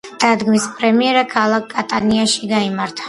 დადგმის პრემიერა ქალაქ კატანიაში გაიმართა.